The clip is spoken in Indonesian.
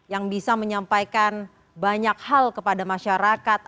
yang bisa menyampaikan banyak hal kepada masyarakat